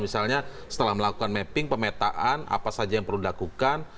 misalnya setelah melakukan mapping pemetaan apa saja yang perlu dilakukan